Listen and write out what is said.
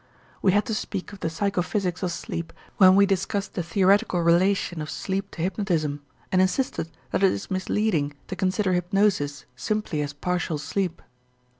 We had to speak of the psychophysics of sleep when we discussed the theoretical relation of sleep to hypnotism and insisted that it is misleading to consider hypnosis simply as partial sleep.